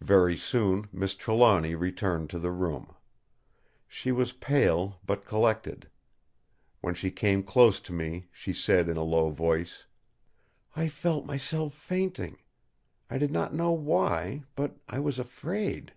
Very soon Miss Trelawny returned to the room. She was pale but collected. When she came close to me she said in a low voice: "I felt myself fainting. I did not know why; but I was afraid!"